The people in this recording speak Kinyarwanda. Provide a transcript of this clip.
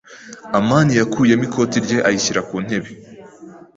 amani yakuyemo ikoti rye ayishyira ku ntebe.